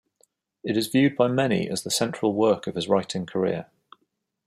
It is viewed by many as the central work of his writing career.